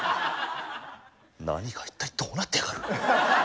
何が一体どうなってやがる？